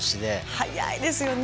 速いですよね